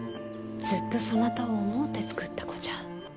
ずっとそなたを思うて作った子じゃ。